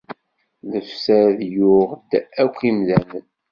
Lefsad yuɣ-d akk imdanen.